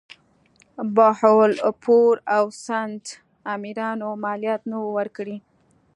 بهاولپور او سند امیرانو مالیات نه وه ورکړي.